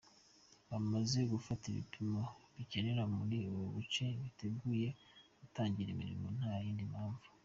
Bamaze gufata ibipimo bikenewe muri buri gace, biteguye gutangira imirimo nta yindi mpamvu.